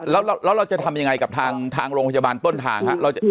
แล้วเราจะทำยังไงกับทางโรงพยาบาลต้นทางครับ